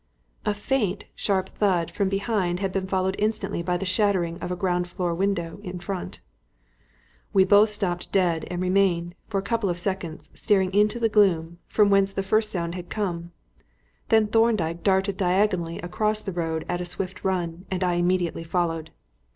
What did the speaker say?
A faint, sharp thud from behind had been followed instantly by the shattering of a ground floor window in front. We both stopped dead and remained, for a couple of seconds, staring into the gloom, from whence the first sound had come; then Thorndyke darted diagonally across the road at a swift run and I immediately followed.